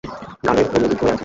গালের হনু উচু হয়ে আছে।